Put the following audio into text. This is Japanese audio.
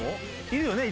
いるよね。